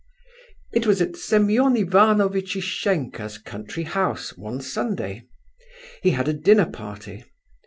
It was at Semeon Ivanovitch Ishenka's country house, one Sunday. He had a dinner party.